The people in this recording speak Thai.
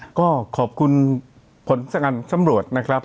เป็นผลสกรรคสำรวจนะครับ